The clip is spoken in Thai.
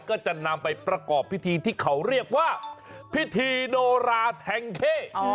ก็จะนำไปประกอบพิธีที่เขาเรียกว่าพิธีโนราแทงเข้